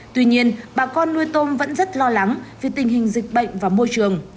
tuy nhiên bà con nuôi tôm vẫn rất lo lắng vì tình hình dịch bệnh và môi trường